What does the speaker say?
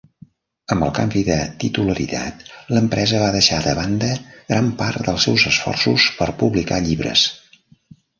Amb el canvi de titularitat, l'empresa va deixar de banda gran part dels seus esforços per publicar llibres.